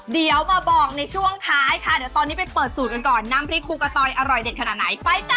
เดี๋ยวมาบอกในช่วงท้ายค่ะเดี๋ยวตอนนี้ไปเปิดสูตรกันก่อนน้ำพริกครูกะตอยอร่อยเด็ดขนาดไหนไปจ้ะ